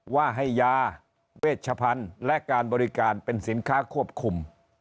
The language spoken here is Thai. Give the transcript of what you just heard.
ว่าให้ยาเวชพันธุ์และการบริการเป็นสินค้าควบคุม